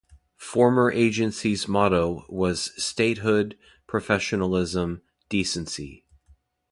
Former agency's motto was "Statehood, professionalism, decency".